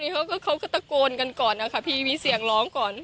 เขาก็ตะโกนกันก่อนนะคะพี่มีเสียงร้องก่อน